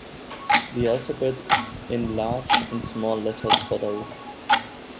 The alphabet in large and small letters followed.